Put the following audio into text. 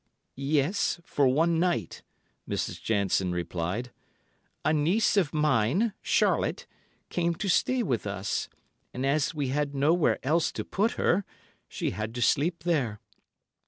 "Yes, for one night," Mrs. Jansen replied. "A niece of mine, Charlotte, came to stay with us, and as we had nowhere else to put her, she had to sleep there.